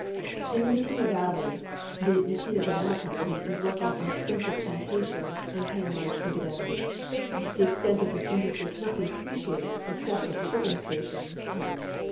In the Matina valley the Matina lianana Company is working an extensive plantation and paying large dividends. The ex tent of this indu.stry cannot be appreciated excei)t at the ship ping stations.